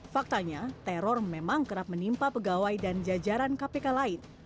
faktanya teror memang kerap menimpa pegawai dan jajaran kpk lain